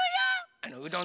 あのうどん。